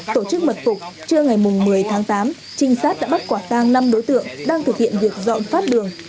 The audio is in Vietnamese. tổ chức mật phục trưa ngày một mươi tháng tám trinh sát đã bắt quả tang năm đối tượng đang thực hiện việc dọn phát đường